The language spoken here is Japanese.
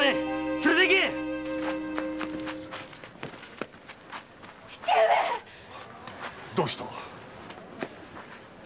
連れていけ‼父上っ‼どうした？